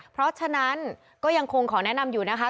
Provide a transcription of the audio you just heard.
เพราะฉะนั้นก็ยังคงขอแนะนำอยู่นะคะ